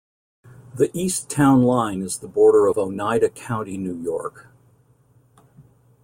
The east town line is the border of Oneida County, New York.